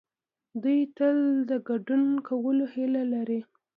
دوی تل د ګډون کولو هيله لري.